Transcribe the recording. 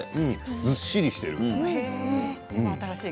ずっしりしている。